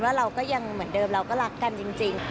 เราก็ยังเหมือนเดิมเราก็รักกันจริง